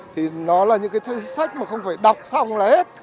thì nó là những cái sách mà không phải đọc xong là hết